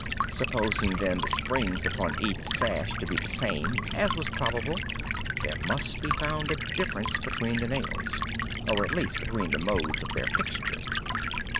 Supposing, then, the springs upon each sash to be the same, as was probable, there must be found a difference between the nails, or at least between the modes of their fixture.